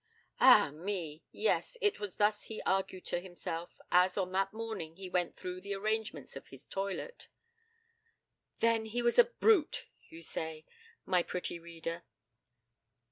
Ah me! yes; it was thus he argued to himself as on that morning he went through the arrangements of his toilet. 'Then he was a brute,' you say, my pretty reader.